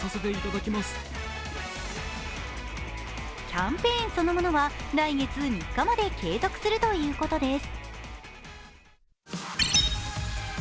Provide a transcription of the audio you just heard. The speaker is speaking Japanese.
キャンペーンそのものは来月３日まで継続するということです。